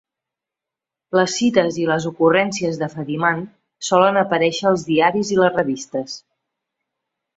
Les cites i les ocurrències de Fadiman solen aparèixer als diaris i les revistes.